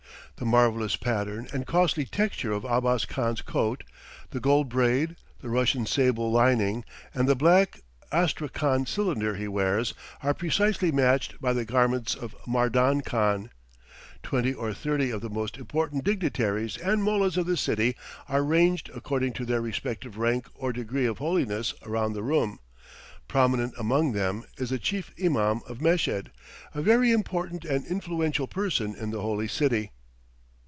The marvellous pattern and costly texture of Abbas Khan's coat, the gold braid, the Russian sable lining, and the black Astrakhan cylinder he wears, are precisely matched by the garments of Mardan Khan. Twenty or thirty of the most important dignitaries and mollahs of the city are ranged according to their respective rank or degree of holiness around the room; prominent among them is the Chief Imam of Meshed, a very important and influential person in the holy city.